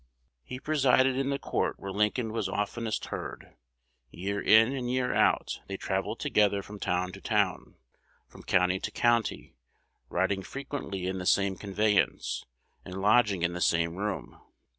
He presided in the court where Lincoln was oftenest heard: year in and year out they travelled together from town to town, from county to county, riding frequently in the same conveyance, and lodging in the same room.